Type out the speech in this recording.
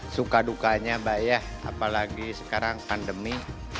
suka dukanya mbak ya apalagi sekarang pandemi